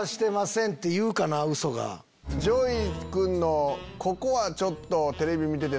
ＪＯＹ君のここはちょっと。